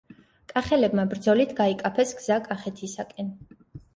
კახელებმა ბრძოლით გაიკაფეს გზა კახეთისაკენ.